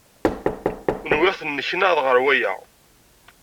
Nwiɣ tenneknaḍ ɣer waya.